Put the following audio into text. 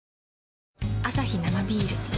アサヒ生ビール